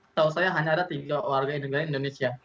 setahu saya hanya ada tiga warga negara indonesia